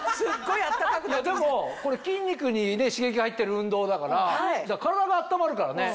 でもこれ筋肉に刺激が入ってる運動だから体が温まるからね。